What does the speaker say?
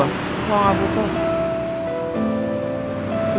mau aku buku